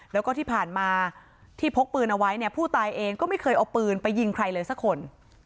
แล้วก็ที่ผ่านมาที่พกปืนเอาไว้เนี่ยผู้ตายเองก็ไม่เคยเอาปืนไปยิงใครเลยสักคน